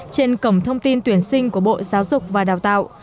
trên cổng thông tin tuyển sinh của bộ giáo dục và đào tạo